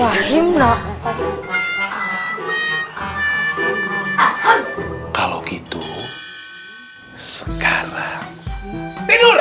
eh kok jadi ustadz yang tidur